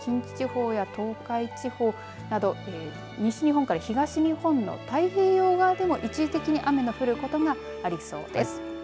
日曜日は近畿地方や東海地方など西日本から東日本の太平洋側でも一時的に雨の降ることがありそうです。